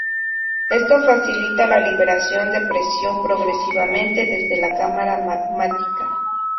Esto facilita la liberación de presión progresivamente desde la cámara magmática.